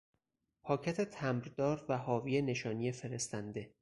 پاکت تمبردار و حاوی نشانی فرستنده